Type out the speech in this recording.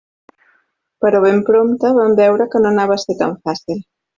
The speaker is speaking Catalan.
Però ben prompte vam veure que no anava a ser tan fàcil.